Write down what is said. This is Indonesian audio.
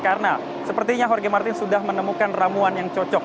karena sepertinya jorge martin sudah menemukan ramuan yang cocok